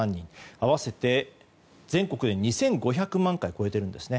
合わせて全国で２５００万回を超えているんですね。